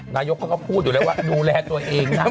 นายกเขาก็พูดอยู่แล้วว่าดูแลตัวเองนะ